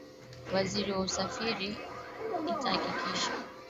wizara ya usafiri itahakikisha